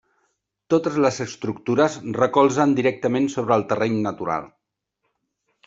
Totes les estructures recolzen directament sobre el terreny natural.